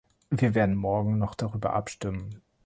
Wir werden morgen noch darüber abstimmen.